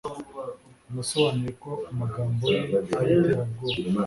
Nasobanuye ko amagambo ye ari iterabwoba.